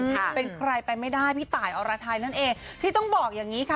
เป็นใครไปไม่ได้พี่ตายอรไทยนั่นเองที่ต้องบอกอย่างงี้ค่ะ